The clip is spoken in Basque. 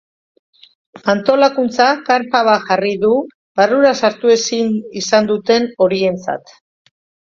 Antolakuntzak karpa bat jarri du barrura sartu ezin izan duten horientzat.